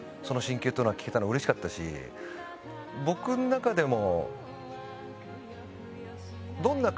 僕の中でも。